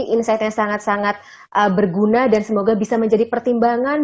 insightnya sangat sangat berguna dan semoga bisa menjadi pertimbangan